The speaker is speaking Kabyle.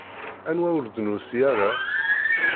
Anwa ur d-nusi ara?